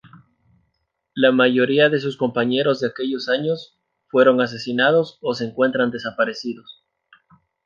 La mayoría de sus compañeros de aquellos años fueron asesinados o se encuentran desaparecidos.